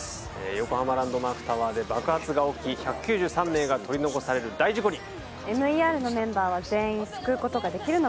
横浜ランドマークタワーで爆発が起き１９３名が取り残される大事故にＭＥＲのメンバーは全員救うことができるのか？